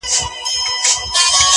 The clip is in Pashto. دې سړو وینو ته مي اور ورکړه!